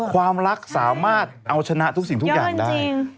ความรักสามารถเอาชนะทุกสิ่งทุกอย่างได้